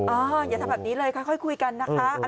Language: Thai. อย่าทำแบบนี้เลยค่อยคุยกันนะคะ